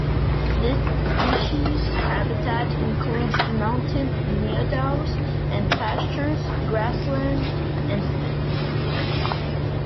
This species habitat includes mountain meadows and pastures, grassland and fens.